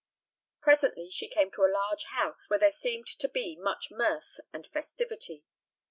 Presently she came to a large house where there seemed to be much mirth and festivity.